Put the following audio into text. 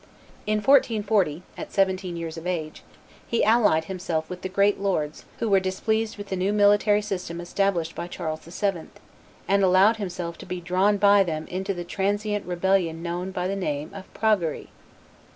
In 1440, at seventeen years of age, he allied himself with the great lords, who were displeased with the new military system established by Charles VII., and allowed himself to be drawn by them into the transient rebellion known by the name of Praguery.